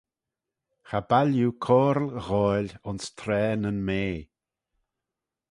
Cha bailleu coyrle goaill ayns traa nyn mea.